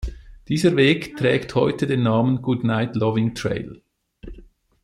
Dieser Weg trägt heute den Namen Goodnight-Loving Trail.